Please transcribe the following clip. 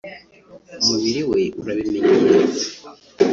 umubiri we urabimenyera